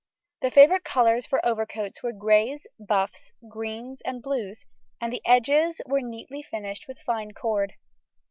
The favourite colours for overcoats were greys, buffs, greens, and blues, and the edges were neatly finished with fine cord.